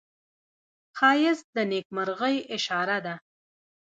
ښایست د نیکمرغۍ اشاره ده